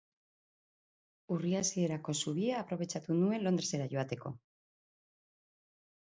Urri hasierako zubia aprobetxatu nuen Londresera joateko.